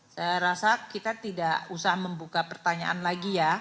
saya rasa kita tidak usah membuka pertanyaan lagi ya